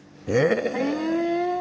え！